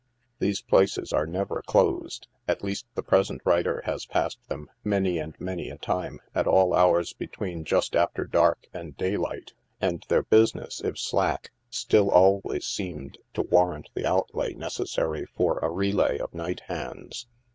These places are never closed — at least the present writer has passed them, many and many a time, at all hours between just after dark and daylight, and their business, if slack, still always seemed to warrant the outlay necessary for a relay of night hands.